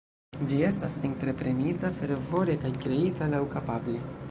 Ĝi estas entreprenita fervore kaj kreita laŭkapable.